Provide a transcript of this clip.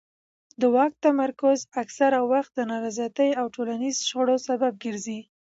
د واک تمرکز اکثره وخت د نارضایتۍ او ټولنیزو شخړو سبب ګرځي